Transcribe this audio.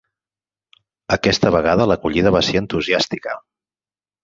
Aquesta vegada l'acollida va ser entusiàstica.